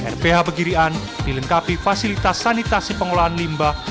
rph pegirian dilengkapi fasilitas sanitasi pengolahan limbah